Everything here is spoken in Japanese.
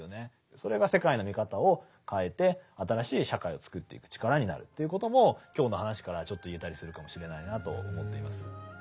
それが世界の見方を変えて新しい社会をつくっていく力になるということも今日の話からはちょっと言えたりするかもしれないなと思っています。